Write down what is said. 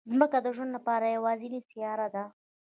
ځمکه د ژوند لپاره یوازینی سیاره ده